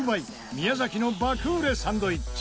宮崎の爆売れサンドイッチ。